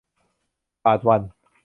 บาทวัน